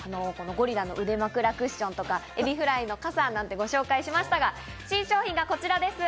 ゴリラの腕枕クッションとかエビフライの傘も紹介しましたが、新商品がこちらです。